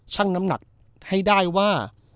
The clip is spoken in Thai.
ช่างน้ำหนักให้ได้ว่า